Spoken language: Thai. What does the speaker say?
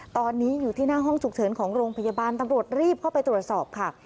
ตอนนี้อยู่ที่หน้าห้องฉุกเฉินของโรงพยาบาลตำรวจรีบเข้าไปตรวจสอบค่ะ